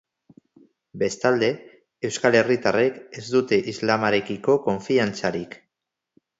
Bestalde, euskal herritarrek ez dute islamarekiko konfiantzarik.